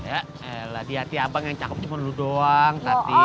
ya elah di hati abang yang cakep cuma lo doang